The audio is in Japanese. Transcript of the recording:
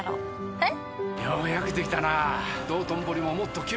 えっ？